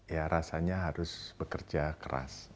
ya rasanya harus bekerja keras